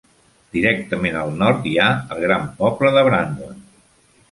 Directament al nord hi ha el gran poble de Brandon.